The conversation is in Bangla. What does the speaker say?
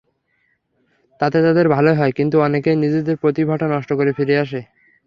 তাতে তাদের ভালোই হয়, কিন্তু অনেকেই নিজেদের প্রতিভাটা নষ্ট করে ফিরে আসে।